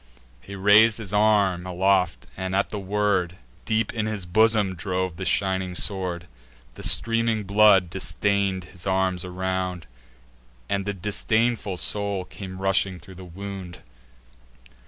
He rais'd his arm aloft, and, at the word, Deep in his bosom drove the shining sword. The streaming blood distain'd his arms around; And the disdainful soul came rushing through the wound.